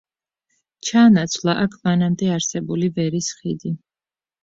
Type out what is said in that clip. ჩაანაცვლა აქ მანამდე არსებული ვერის ხიდი.